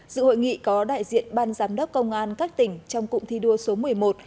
dự hội nghị có đại diện ban giám đốc công an các tỉnh trong cụm thi đua số một mươi một